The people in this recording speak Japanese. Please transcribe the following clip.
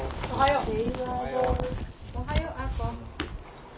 おはよう。